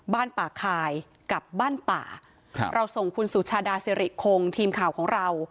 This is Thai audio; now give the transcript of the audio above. บ้านป่าคายกับบ้านป่าครับเราส่งคุณสุชาดาสิริคงทีมข่าวของเรา